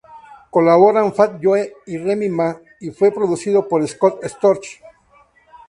Colaboran Fat Joe y Remy Ma, y fue producido por Scott Storch.